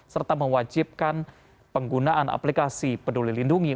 serta mewajibkan penggunaan aplikasi peduli lindungi